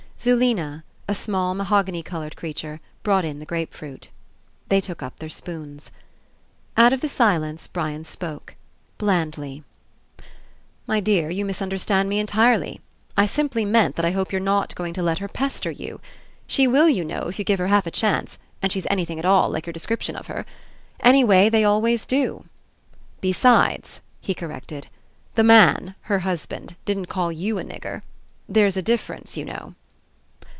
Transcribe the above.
Zulena, a small mahogany coloured creature, brought In the grapefruit. They took up their spoons. Out of the silence Brian spoke. Blandly. 94 RE ENCOUNTER ''My dear, you misunderstand me entirely. I simply meant that I hope you're not going to let her pester you. She will, you know, if you give her half a chance and she's anything at all like your description of her. Anyway, they al ways do. Besides," he corrected, "the man, her husband, didn't call you a nigger. There's a difference, you know."